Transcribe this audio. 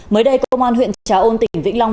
mới đây công an huyện trà ôn tỉnh vĩnh long